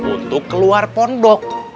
untuk keluar pondok